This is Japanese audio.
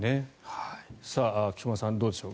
菊間さん、どうでしょう。